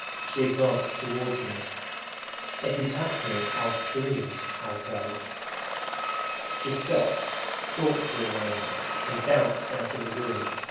She advanced towards me. "If you touch me, I'll scream," I cried. She stopped, thought for a moment, and bounced out of the room.